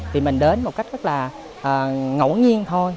thì mình đến một cách rất là ngẫu nhiên thôi